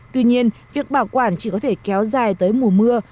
tuy nhiên việc bảo quản chỉ có thể kéo dài tới mùa mưa